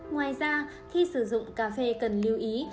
ngoài ra khi sử dụng cà phê cần lưu ý